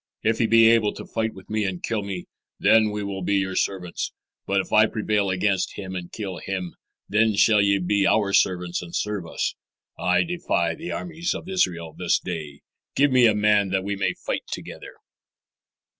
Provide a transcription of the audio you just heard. If he be able to fight with me and to kill me, then will we be your servants; but if I prevail against him and kill him, then shall ye be our servants and serve us. I defy the armies of Israel this day. Give me a man that we may fight together."